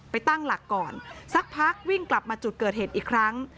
ตั้งหลักก่อนสักพักวิ่งกลับมาจุดเกิดเหตุอีกครั้ง